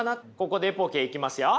ここでエポケーいきますよ。